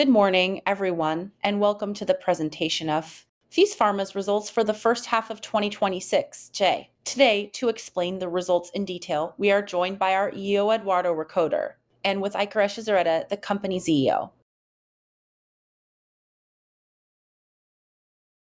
Good morning, everyone, and welcome to the presentation of Faes Farma's results for the First Half of 2026. Today, to explain the results in detail, we are joined by our CEO, Eduardo Recoder, and with Iker Etxezarreta, the company CFO.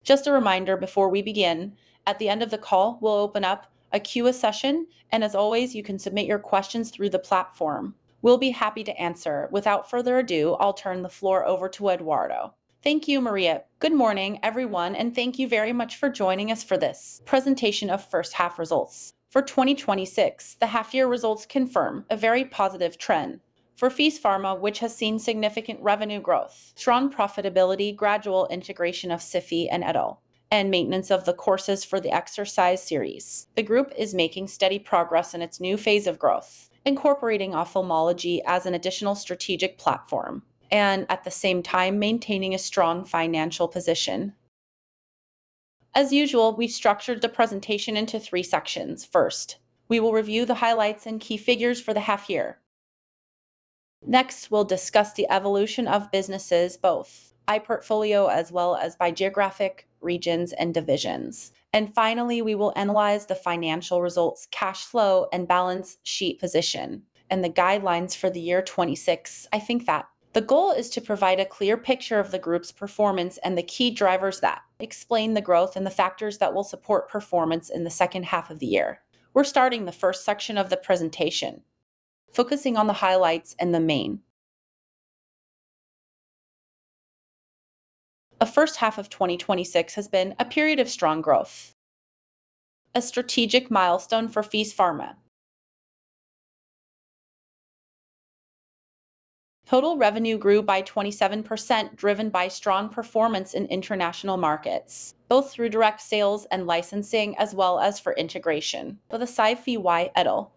Just a reminder before we begin, at the end of the call, we will open up a Q&A session, and as always, you can submit your questions through the platform. We will be happy to answer. Without further ado, I will turn the floor over to Eduardo. Thank you, María. Good morning, everyone, and thank you very much for joining us for this presentation of first half results for 2026. The half-year results confirm a very positive trend for Faes Farma, which has seen significant revenue growth, strong profitability, gradual integration of SIFI and Edol, and maintenance of the courses for the exercise series. The group is making steady progress in its new phase of growth, incorporating ophthalmology as an additional strategic platform, and at the same time maintaining a strong financial position. As usual, we've structured the presentation into three sections. First, we will review the highlights and key figures for the half year. Next, we'll discuss the evolution of businesses, both by portfolio as well as by geographic regions and divisions. Finally, we will analyze the financial results, cash flow, and balance sheet position, and the guidelines for the year 2026. I think that the goal is to provide a clear picture of the group's performance and the key drivers that explain the growth and the factors that will support performance in the second half of the year. We're starting the first section of the presentation, focusing on the highlights and the main. The first half of 2026 has been a period of strong growth, a strategic milestone for Faes Farma. Total revenue grew by 27%, driven by strong performance in international markets, both through direct sales and licensing, as well as for integration with SIFI and Edol.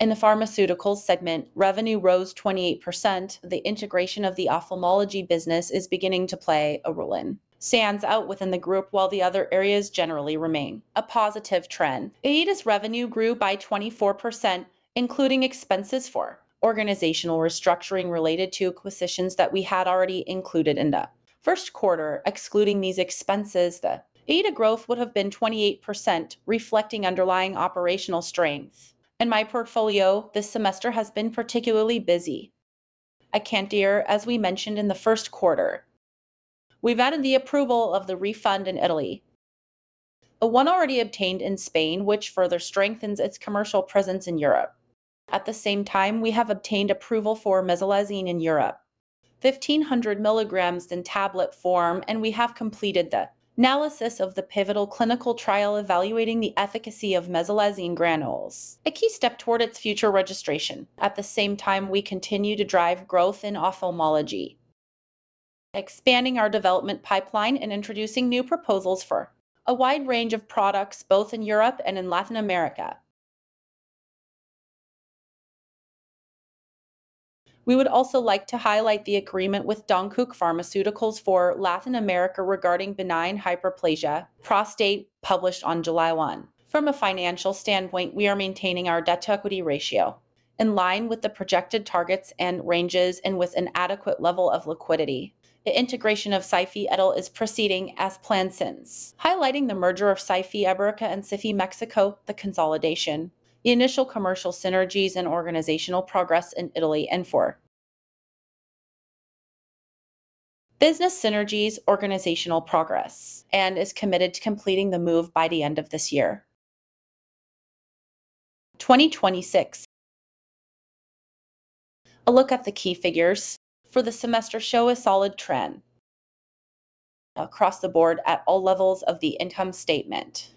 In the pharmaceuticals segment, revenue rose 28%. The integration of the ophthalmology business is beginning to play a role and stands out within the group while the other areas generally remain a positive trend. EBITDA grew by 24%, including expenses for organizational restructuring related to acquisitions that we had already included in the first quarter. Excluding these expenses, the EBITDA growth would have been 28%, reflecting underlying operational strength. In my portfolio, this semester has been particularly busy. Akantior, as we mentioned in the first quarter, we've added the approval of the refund in Italy, the one already obtained in Spain, which further strengthens its commercial presence in Europe. At the same time, we have obtained approval for mesalazine in Europe, 1,500mg in tablet form, and we have completed the analysis of the pivotal clinical trial evaluating the efficacy of mesalazine granules, a key step toward its future registration. At the same time, we continue to drive growth in ophthalmology, expanding our development pipeline and introducing new proposals for a wide range of products, both in Europe and in Latin America. We would also like to highlight the agreement with Dongkook Pharmaceutical for Latin America regarding Benign prostatic hyperplasia, published on July 1. From a financial standpoint, we are maintaining our debt-to-equity ratio in line with the projected targets and ranges, and with an adequate level of liquidity. The integration of SIFI, Edol is proceeding as planned since highlighting the merger of SIFI Ibérica and SIFI Mexico, the consolidation, the initial commercial synergies and organizational progress in Italy and for business synergies, organizational progress, and is committed to completing the move by the end of this year. 2026. A look at the key figures for the semester show a solid trend across the board at all levels of the income statement.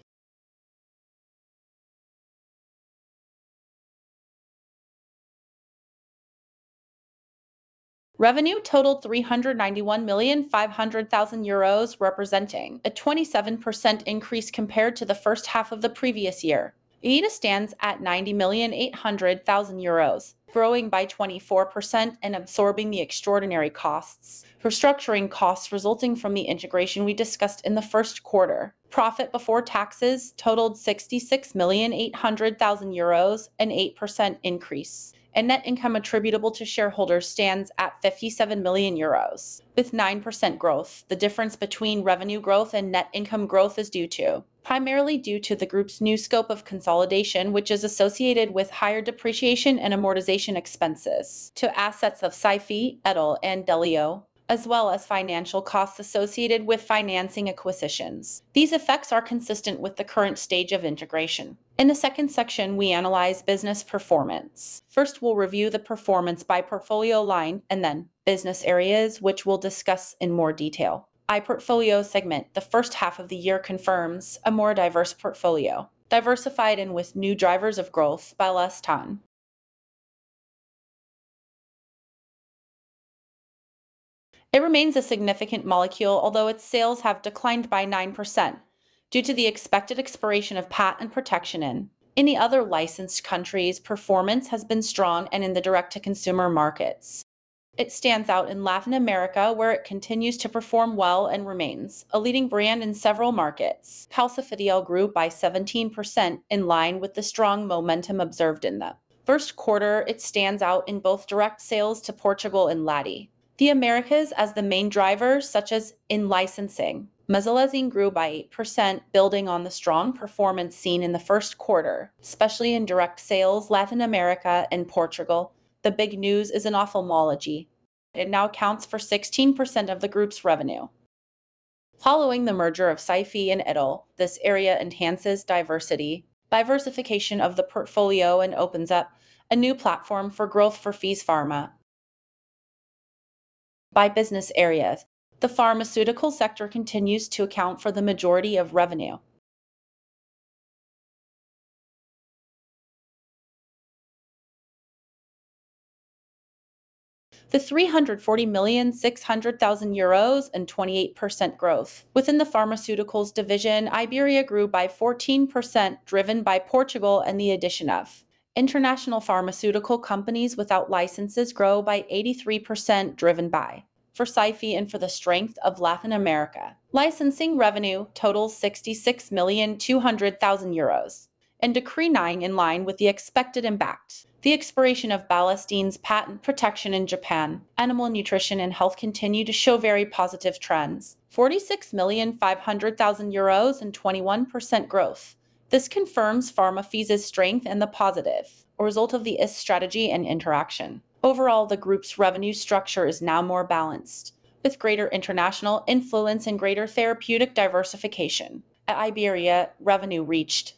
Revenue totaled 391.5 million euros, representing a 27% increase compared to the first half of the previous year. EBITDA stands at 90.8 million euros, growing by 24% and absorbing the extraordinary costs for structuring costs resulting from the integration we discussed in the first quarter. Profit before taxes totaled 66.8 million, an 8% increase, and net income attributable to shareholders stands at 57 million euros, with 9% growth. The difference between revenue growth and net income growth is due to primarily due to the group's new scope of consolidation, which is associated with higher depreciation and amortization expenses to assets of SIFI, Edol, and Derio, as well as financial costs associated with financing acquisitions. These effects are consistent with the current stage of integration. In the second section, we analyze business performance. First, we'll review the performance by portfolio line and then business areas, which we'll discuss in more detail. By portfolio segment, the first half of the year confirms a more diverse portfolio, diversified and with new drivers of growth. bilastine. It remains a significant molecule, although its sales have declined by 9% due to the expected expiration of patent protection in the other licensed countries, performance has been strong and in the direct-to-consumer markets. It stands out in Latin America, where it continues to perform well and remains a leading brand in several markets. calcifediol grew by 17%, in line with the strong momentum observed in the first quarter. It stands out in both direct sales to Portugal and Latin America as the main drivers, such as in licensing. mesalazine grew by 8%, building on the strong performance seen in the first quarter, especially in direct sales, Latin America and Portugal. The big news is in ophthalmology. It now accounts for 16% of the group's revenue. Following the merger of SIFI and Edol, this area enhances diversity, diversification of the portfolio, and opens up a new platform for growth for Faes Farma. By business areas, the pharmaceutical sector continues to account for the majority of revenue. The 340.6 million and 28% growth within the pharmaceuticals division, Iberia grew by 14%, driven by Portugal and the addition of international pharmaceutical companies without licenses grow by 83%, driven by for SIFI and for the strength of Latin America. Licensing revenue totals 66.2 million euros and decline in line with the expected impact. The expiration of bilastine's patent protection in Japan. Animal nutrition and health continue to show very positive trends, 46.5 million euros and 21% growth. This confirms Faes Farma's strength and the positive result of the strategy and interaction. Overall, the group's revenue structure is now more balanced, with greater international influence and greater therapeutic diversification. At Iberia, revenue reached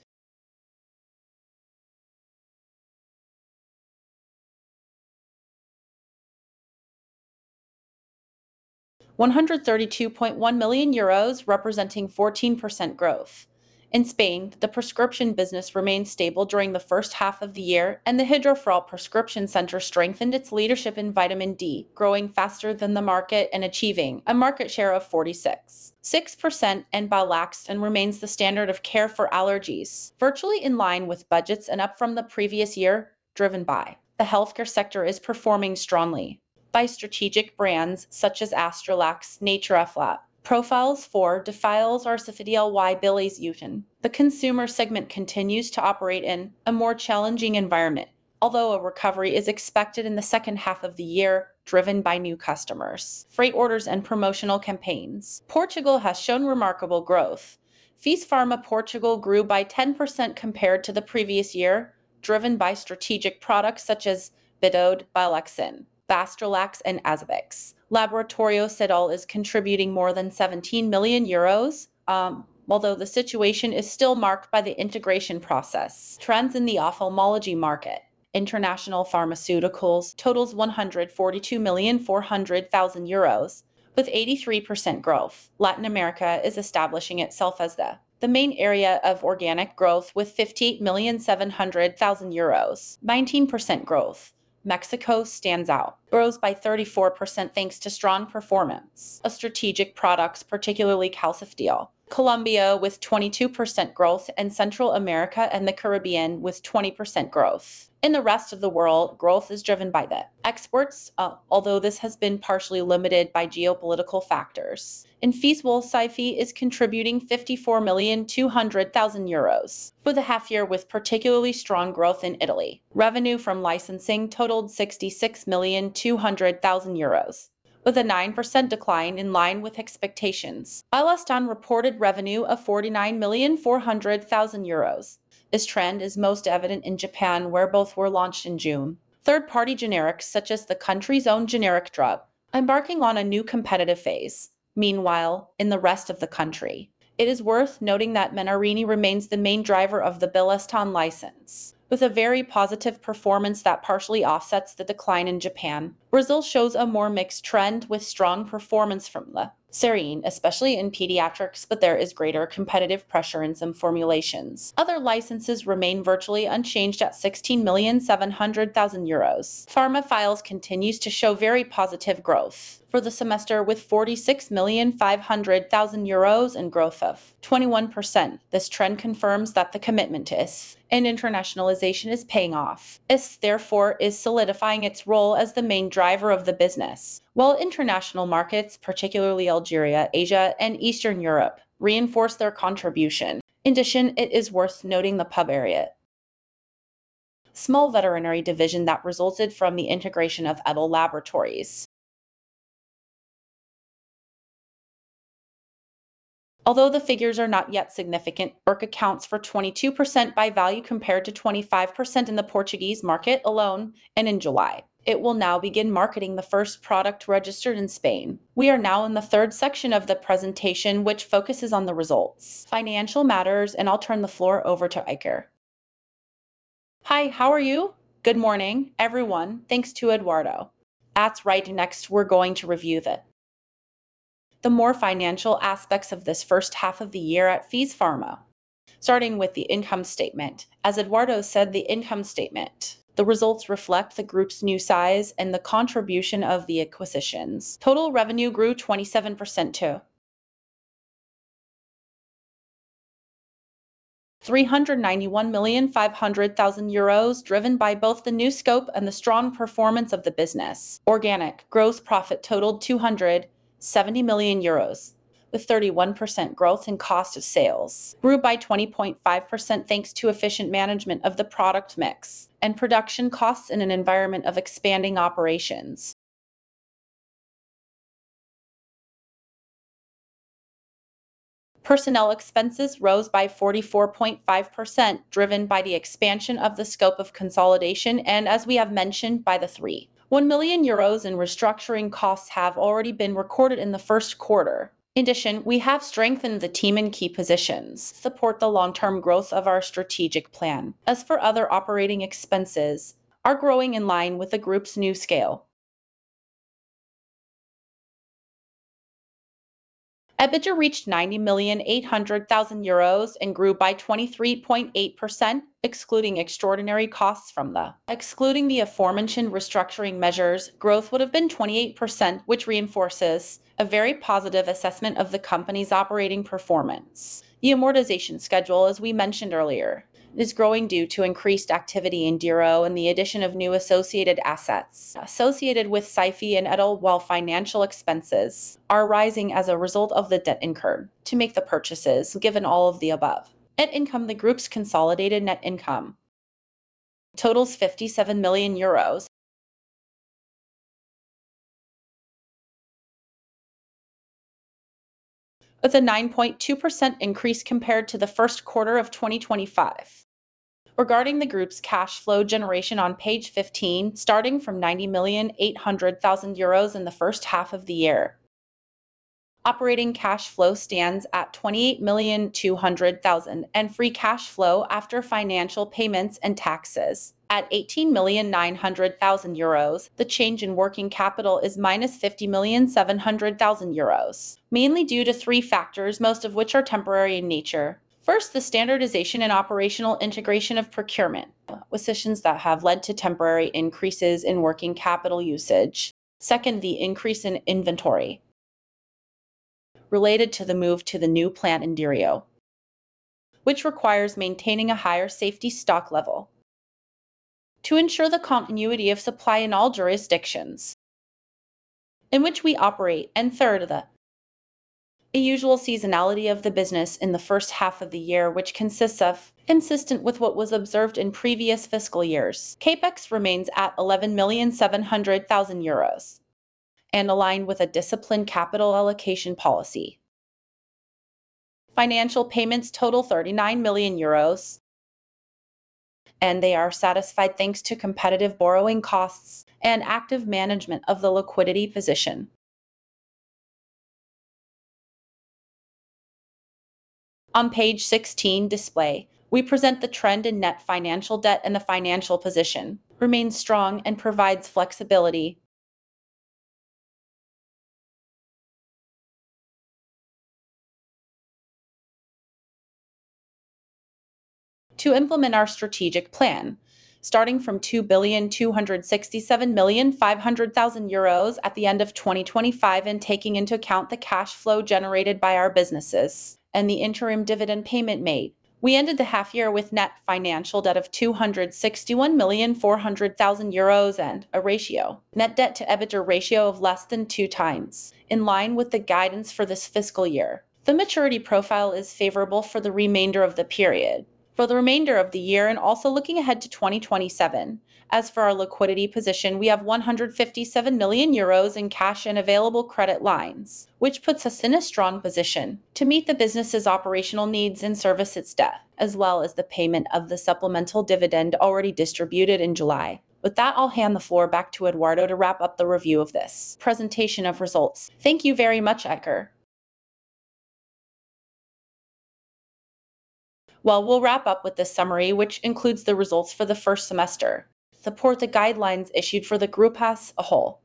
132.1 million euros, representing 14% growth. In Spain, the prescription business remained stable during the first half of the year, and the Hidroferol prescription center strengthened its leadership in vitamin D, growing faster than the market and achieving a market share of 46.6%. Bilaxten remains the standard of care for allergies, virtually in line with budgets and up from the previous year, driven by the healthcare sector is performing strongly by strategic brands such as Astrilax, NaturAflat, ProFaes4, Defal or Sofidel y Bilies Utin. The consumer segment continues to operate in a more challenging environment. A recovery is expected in the second half of the year, driven by new customers, freight orders and promotional campaigns. Portugal has shown remarkable growth. Faes Farma Portugal grew by 10% compared to the previous year, driven by strategic products such as Bidode, Bilaxten, Vastilax and Azovix. Laboratorios Edol is contributing more than 17 million euros, although the situation is still marked by the integration process. Trends in the ophthalmology market, international pharmaceuticals totals 142.4 million euros with 83% growth. Latin America is establishing itself as the main area of organic growth with 58.7 million euros. 19% growth. Mexico stands out. Grows by 34% thanks to strong performance of strategic products, particularly calcifediol. Colombia with 22% growth and Central America and the Caribbean with 20% growth. In the rest of the world, growth is driven by the exports, although this has been partially limited by geopolitical factors. In Faes Farma, SIFI is contributing 54.2 million euros for the half year with particularly strong growth in Italy. Revenue from licensing totaled 66.2 million euros, with a 9% decline in line with expectations. bilastine reported revenue of 49.4 million euros. This trend is most evident in Japan, where both were launched in June. Third-party generics, such as the country's own generic drug, embarking on a new competitive phase. Meanwhile, in the rest of the country, it is worth noting that Menarini remains the main driver of the bilastine license, with a very positive performance that partially offsets the decline in Japan. Brazil shows a more mixed trend with strong performance from the Serene, especially in pediatrics, but there is greater competitive pressure in some formulations. Other licenses remain virtually unchanged at 16.7 million euros. Farma Faes continues to show very positive growth for the semester with 46.5 million euros and growth of 21%. This trend confirms that the commitment to internationalization is paying off. This, therefore, is solidifying its role as the main driver of the business. International markets, particularly Algeria, Asia, and Eastern Europe, reinforce their contribution. It is worth noting the Pubariat small veterinary division that resulted from the integration of Laboratorios Edol. The figures are not yet significant, Merck accounts for 22% by value compared to 25% in the Portuguese market alone, and in July. It will now begin marketing the first product registered in Spain. We are now in the third section of the presentation, which focuses on the results, financial matters, and I'll turn the floor over to Iker. Hi, how are you? Good morning, everyone. Thanks to Eduardo. That's right. Next, we're going to review the more financial aspects of this first half of the year at Faes Farma. Starting with the income statement. As Eduardo said, the income statement, the results reflect the group's new size and the contribution of the acquisitions. Total revenue grew 27% to 391.5 million driven by both the new scope and the strong performance of the business. Organic gross profit totaled 270 million euros with 31% growth, and cost of sales grew by 20.5% thanks to efficient management of the product mix and production costs in an environment of expanding operations. Personnel expenses rose by 44.5%, driven by the expansion of the scope of consolidation and, as we have mentioned, by the three 1 million euros in restructuring costs have already been recorded in the first quarter. In addition, we have strengthened the team in key positions to support the long-term growth of our strategic plan. As for other operating expenses, are growing in line with the group's new scale. EBITDA reached 90.8 million euros and grew by 23.8%, excluding the aforementioned restructuring measures, growth would have been 28%, which reinforces a very positive assessment of the company's operating performance. The amortization schedule, as we mentioned earlier, is growing due to increased activity in Derio and the addition of new associated assets associated with SIFI and Edol, while financial expenses are rising as a result of the debt incurred to make the purchases. Given all of the above, net income, the group's consolidated net income totals EUR 57 million. With a 9.2% increase compared to the first quarter of 2025. Regarding the group's cash flow generation on page 15, starting from 90.8 million in the first half of the year, operating cash flow stands at 28.2 million, and free cash flow after financial payments and taxes at 18.9 million euros. The change in working capital is -50.7 million euros, mainly due to three factors, most of which are temporary in nature. First, the standardization and operational integration of procurement positions that have led to temporary increases in working capital usage. Second, the increase in inventory related to the move to the new plant in Derio, which requires maintaining a higher safety stock level to ensure the continuity of supply in all jurisdictions in which we operate. Third, consistent with what was observed in previous fiscal years. CapEx remains at 11.7 million euros and aligned with a disciplined capital allocation policy. Financial payments total 39 million euros, and they are satisfied thanks to competitive borrowing costs and active management of the liquidity position. On page 16 display, we present the trend in net financial debt, and the financial position remains strong and provides flexibility to implement our strategic plan. Starting from 2,267.5 billion euros at the end of 2025 and taking into account the cash flow generated by our businesses and the interim dividend payment made, we ended the half year with net financial debt of 261.4 million and a net debt to EBITDA ratio of less than 2x in line with the guidance for this fiscal year. The maturity profile is favorable for the remainder of the year, and also looking ahead to 2027. As for our liquidity position, we have 157 million euros in cash and available credit lines, which puts us in a strong position to meet the business's operational needs and service its debt, as well as the payment of the supplemental dividend already distributed in July. With that, I'll hand the floor back to Eduardo to wrap up the review of this presentation of results. Thank you very much, Iker. We'll wrap up with this summary, which includes the results for the first semester, support the guidelines issued for the group as a whole.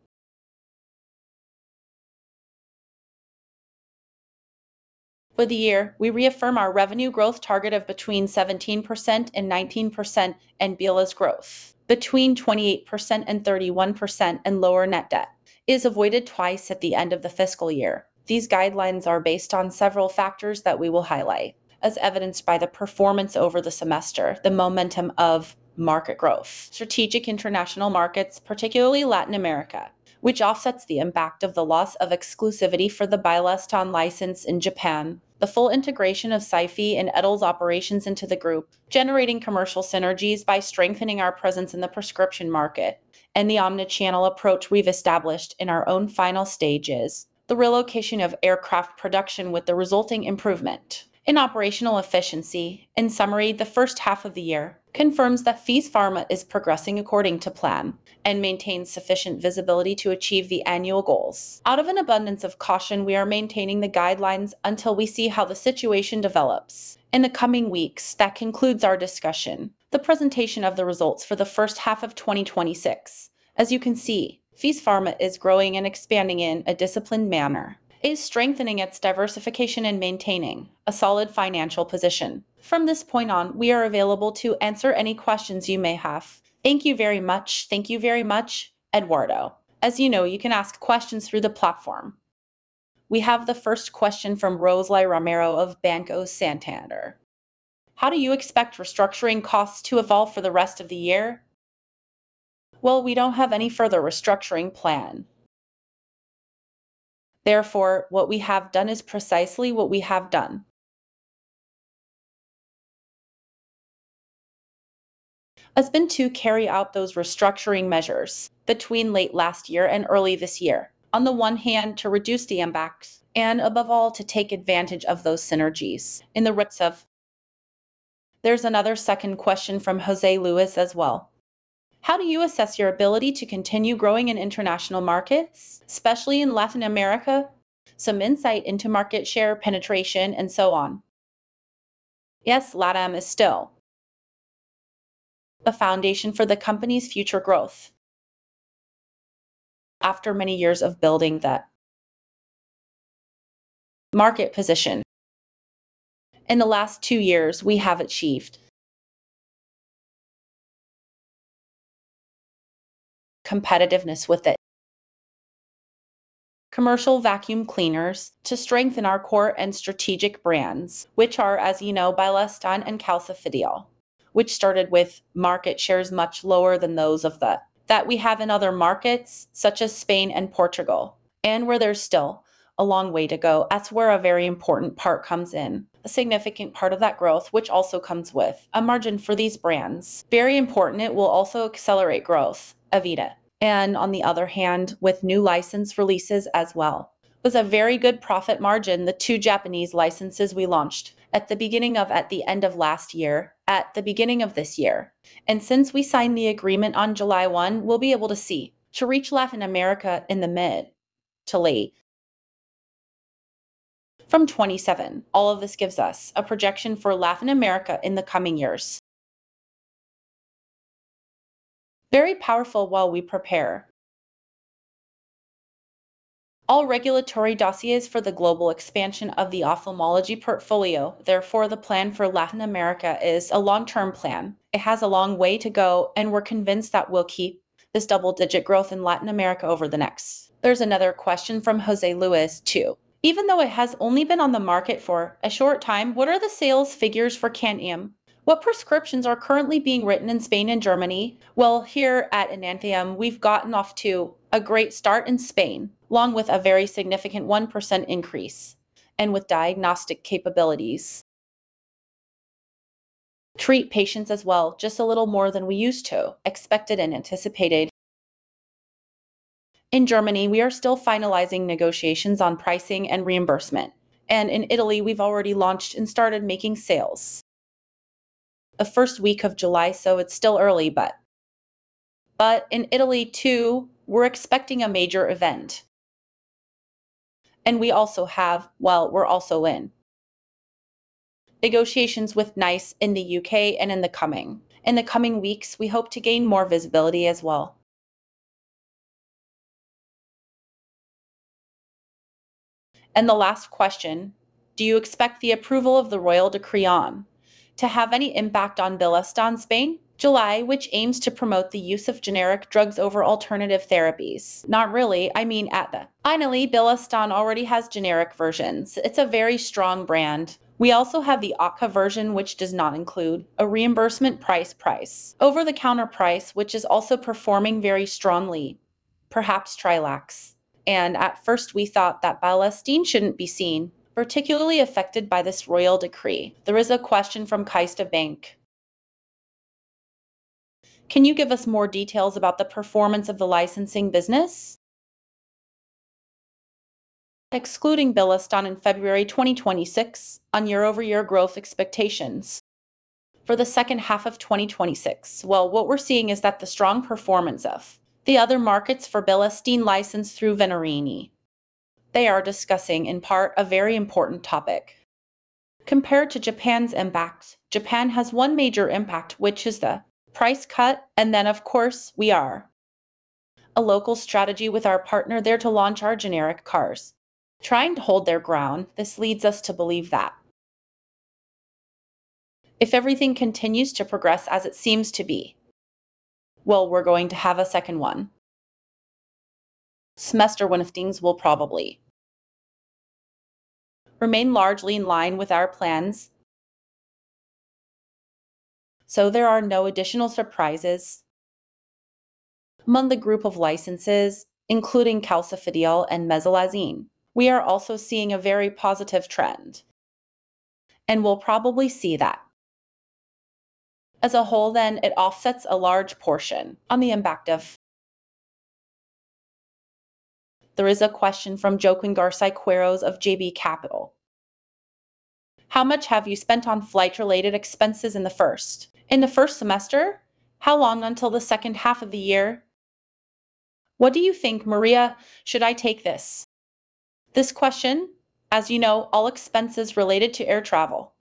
For the year, we reaffirm our revenue growth target of between 17% and 19%, and Bylis growth between 28% and 31%, and lower net debt is avoided twice at the end of the fiscal year. These guidelines are based on several factors that we will highlight. As evidenced by the performance over the semester, the momentum of market growth, strategic international markets, particularly Latin America, which offsets the impact of the loss of exclusivity for the bilastine license in Japan, the full integration of SIFI and Edol's operations into the group, generating commercial synergies by strengthening our presence in the prescription market, and the omni-channel approach we've established in our own final stages. The relocation of aircraft production with the resulting improvement in operational efficiency. In summary, the first half of the year confirms that Faes Farma is progressing according to plan and maintains sufficient visibility to achieve the annual goals. Out of an abundance of caution, we are maintaining the guidelines until we see how the situation develops in the coming weeks. That concludes our discussion, the presentation of the results for the first half of 2026. As you can see, Faes Farma is growing and expanding in a disciplined manner. It is strengthening its diversification and maintaining a solid financial position. From this point on, we are available to answer any questions you may have. Thank you very much. Thank you very much, Eduardo. As you know, you can ask questions through the platform. We have the first question from Rosalía Romero of Banco Santander. How do you expect restructuring costs to evolve for the rest of the year? We don't have any further restructuring plan. Therefore, what we have done is precisely what we have done. Has been to carry out those restructuring measures between late last year and early this year. On the one hand, to reduce the impact and above all, to take advantage of those synergies in the rest of. There's another second question from José Luis as well. How do you assess your ability to continue growing in international markets, especially in Latin America, some insight into market share penetration and so on? Yes, LATAM is still a foundation for the company's future growth after many years of building the market position. In the last two years, we have achieved competitiveness with the commercial vacuum cleaners to strengthen our core and strategic brands, which are, as you know, bilastine and calcifediol, which started with market shares much lower than those of the that we have in other markets such as Spain and Portugal, and where there's still a long way to go. That's where a very important part comes in, a significant part of that growth, which also comes with a margin for these brands. Very important, it will also accelerate growth, Evida. On the other hand, with new license releases as well. With a very good profit margin, the two Japanese licenses we launched at the end of last year, at the beginning of this year. Since we signed the agreement on July 1, we'll be able to see to reach Latin America in the mid to late 2027. All of this gives us a projection for Latin America in the coming years. Very powerful while we prepare all regulatory dossiers for the global expansion of the ophthalmology portfolio. Therefore, the plan for Latin America is a long-term plan. It has a long way to go, and we're convinced that we'll keep this double-digit growth in Latin America over the next. There's another question from José Luis, too. Even though it has only been on the market for a short time, what are the sales figures for Enanthium? What prescriptions are currently being written in Spain and Germany? Well, here at Enanthium, we've gotten off to a great start in Spain, along with a very significant 1% increase and with diagnostic capabilities. Treat patients as well, just a little more than we used to expected and anticipated. In Germany, we are still finalizing negotiations on pricing and reimbursement. In Italy, we've already launched and started making sales the first week of July, so it's still early, but in Italy, too, we're expecting a major event. We also have, well, we're also in negotiations with NICE in the U.K. and in the coming weeks, we hope to gain more visibility as well. The last question, do you expect the approval of the Royal Decree on to have any impact on bilastine Spain? July, which aims to promote the use of generic drugs over alternative therapies. Not really. I mean, at the finally, bilastine already has generic versions. It's a very strong brand. We also have the ACA version, which does not include a reimbursement price, over-the-counter price, which is also performing very strongly, Astrilax. At first, we thought that bilastine shouldn't be seen particularly affected by this Royal Decree. There is a question from CaixaBank. Can you give us more details about the performance of the licensing business excluding bilastine in February 2026 on year-over-year growth expectations for the second half of 2026? Well, what we're seeing is that the strong performance of the other markets for bilastine licensed through Menarini. They are discussing, in part, a very important topic. Compared to Japan's impact, Japan has one major impact, which is the price cut, and then, of course, we are a local strategy with our partner there to launch our generic versions, trying to hold their ground. This leads us to believe that if everything continues to progress as it seems to be, well, we're going to have a second semester. Things will probably remain largely in line with our plans, so there are no additional surprises among the group of licenses, including calcifediol and mesalazine. We are also seeing a very positive trend, and we'll probably see that. As a whole then, it offsets a large portion. There is a question from Joaquín García-Quirós of JB Capital. How much have you spent on relocation-related expenses in the first semester? How long until the second half of the year? What do you think, María, should I take this? This question ss you know, all expenses related to air travel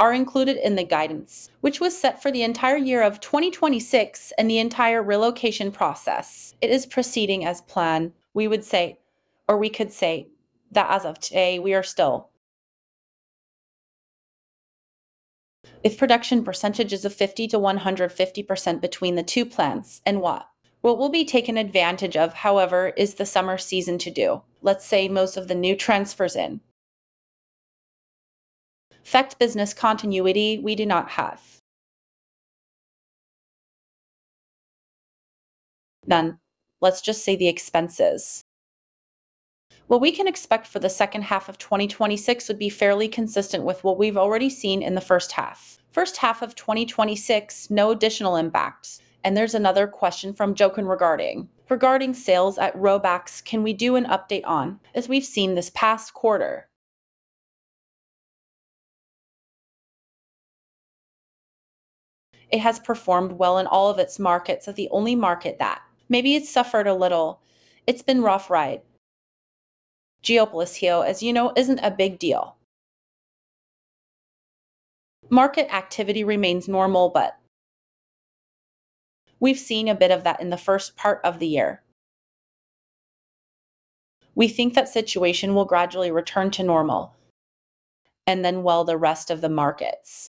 are included in the guidance, which was set for the entire year of 2026 and the entire relocation process. It is proceeding as planned. We would say or we could say that as of today, we are still If production percentages of 50%-150% between the two plants and what will be taken advantage of, however, is the summer season to do, let's say most of the new transfers in. Affect business continuity, we do not have. Let's just say the expenses. What we can expect for the second half of 2026 would be fairly consistent with what we've already seen in the first half. First half of 2026, no additional impacts. There's another question from Jochen regarding sales at Robax. Can we do an update on, as we've seen this past quarter? It has performed well in all of its markets. The only market that maybe it suffered a little, it's been rough ride. Geopolitico, as you know, isn't a big deal. Market activity remains normal. We've seen a bit of that in the first part of the year. We think that situation will gradually return to normal, the rest of the markets.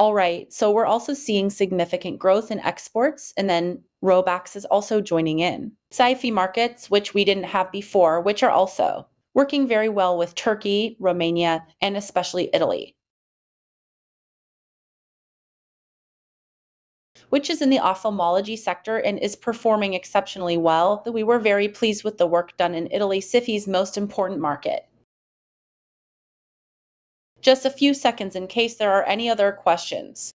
All right. We're also seeing significant growth in exports. Robax is also joining in. SIFI markets, which we didn't have before, which are also working very well with Turkey, Romania, and especially Italy. Which is in the ophthalmology sector and is performing exceptionally well. We were very pleased with the work done in Italy, SIFI's most important market. Just a few seconds in case there are any other questions.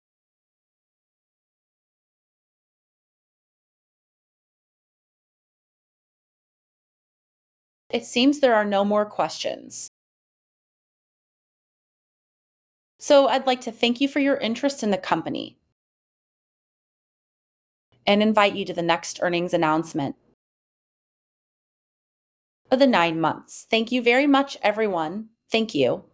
It seems there are no more questions. I'd like to thank you for your interest in the company and invite you to the next earnings announcement of the nine months. Thank you very much, everyone. Thank you